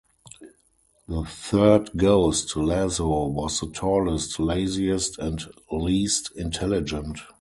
The third ghost, Lazo, was the tallest, laziest and least intelligent.